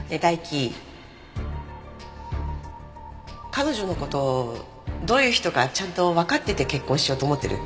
彼女の事どういう人かちゃんとわかってて結婚しようと思ってる？